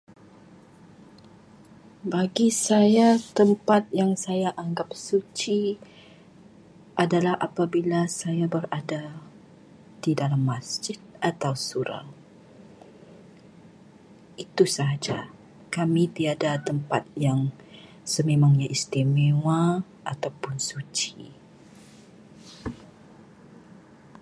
Bagi saya, tempat yang saya anggap suci adalah apabila saya berada di dalam masjid atau surau. Itu saja. Kami tiada tempat yang sememangnya istimewa ataupun suci.